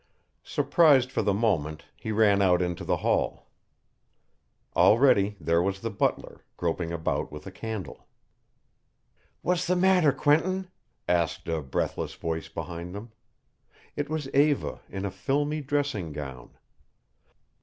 Surprised for the moment, he ran out into the hall. Already there was the butler, groping about with a candle. "What's the matter, Quentin?" asked a breathless voice behind them. It was Eva in a filmy dressing gown.